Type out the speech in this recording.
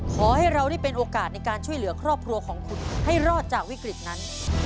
ขอให้เราได้เป็นโอกาสในการช่วยเหลือครอบครัวของคุณให้รอดจากวิกฤตนั้น